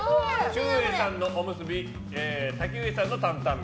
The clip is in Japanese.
ちゅうえいさんのおむすびたきうえさんの担々麺。